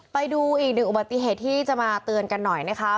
ไปดูอีกหนึ่งอุบัติเหตุที่จะมาเตือนกันหน่อยนะคะ